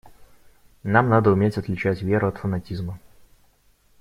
Нам надо уметь отличать веру от фанатизма.